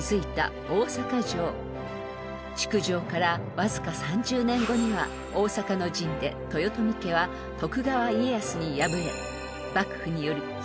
［築城からわずか３０年後には大坂の陣で豊臣家は徳川家康に敗れ幕府により再築が行われました］